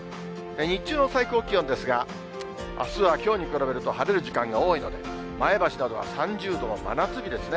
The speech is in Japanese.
日中の最高気温ですが、あすはきょうに比べると、晴れる時間が多いので、前橋などは３０度の真夏日ですね。